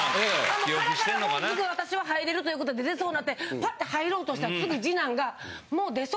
カラカラもうすぐ私は入れるということで出そうになってパッと入ろうとしたらすぐ二男が。